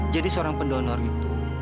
jadi seorang pendonor itu